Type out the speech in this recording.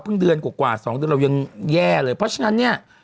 เดือนกว่า๒เดือนเรายังแย่เลยเพราะฉะนั้นเนี่ย